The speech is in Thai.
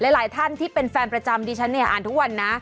หลายท่านที่เป็นแฟนประจำดิฉันเนี่ยอ่านทุกวันนะ